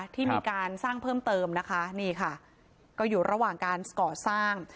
ที่มีการสร้างเพิ่มเติมนะคะนี่ค่ะก็อยู่ระหว่างการก่อสร้าง